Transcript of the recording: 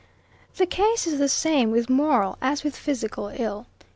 80. The case is the same with moral as with physical ill.